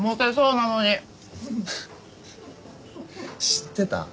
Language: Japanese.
知ってた？